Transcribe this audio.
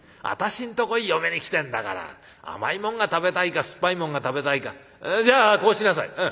私んとこへ嫁に来てんだから甘いもんが食べたいか酸っぱいもんが食べたいかじゃあこうしなさい。